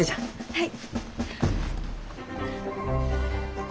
はい。